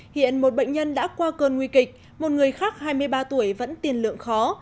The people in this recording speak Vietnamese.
hiện một bệnh nhân đã qua cơn nguy kịch một người khác hai mươi ba tuổi vẫn tiền lượng khó